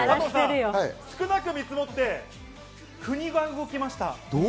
少なく見積もって、国が動きました。